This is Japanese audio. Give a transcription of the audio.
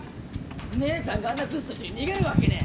姉ちゃんがあんなクズと一緒に逃げるわけねぇ！